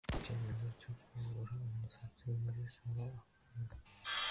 icyemezo cyo kuvura umusatsi muri salon akunda